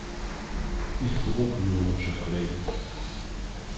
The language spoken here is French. Il faut conclure, mon cher collègue.